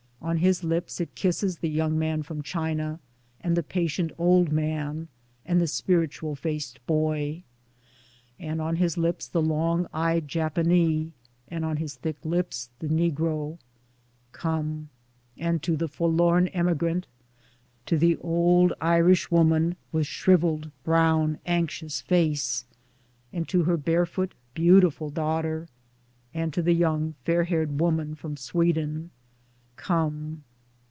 On his lips it kisses the young man from China, and the patient old man, and the spiritual faced boy ; And on his lips the long eyed Japanee ; and on his thick lips the Negro : Come! And to the forlorn emigrant, to the old Irish woman with shriveled brown anxious face, and to her barefoot beautiful daughter, and to the young fair haired woman from Sweden : Come